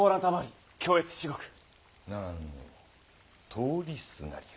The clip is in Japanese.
通りすがりよ。